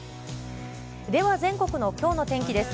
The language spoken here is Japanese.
では全国のきょうの天気です。